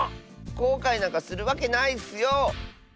こうかいなんかするわけないッスよ！